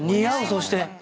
そして。